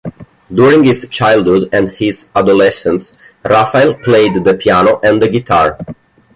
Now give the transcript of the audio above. During his childhood and his adolescence, Raphael played the piano and the guitar.